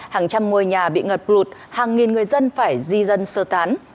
hàng trăm ngôi nhà bị ngập lụt hàng nghìn người dân phải di dân sơ tán